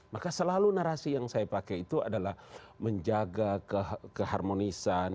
maka selalu narasi yang saya pakai itu adalah menjaga keharmonisan